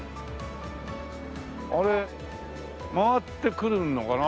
あれ回ってくるのかな？